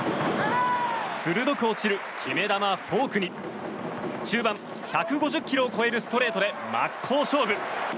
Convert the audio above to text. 鋭く落ちる決め球、フォークに中盤、１５０キロを超えるストレートで真っ向勝負。